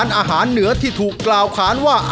ดีเจนุ้ยสุดจีลา